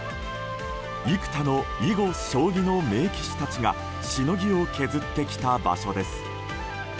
幾多の囲碁・将棋の名棋士たちがしのぎを削ってきた場所です。